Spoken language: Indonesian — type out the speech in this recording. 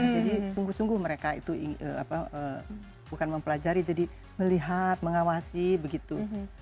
jadi sungguh sungguh mereka itu bukan mempelajari jadi melihat mengawasi begitu